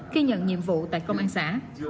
khi nhận nhiệm vụ tại công an xã